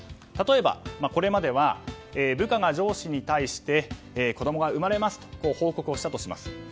例えば、これまでは部下が上司に対して子供が生まれますと報告をしたとします。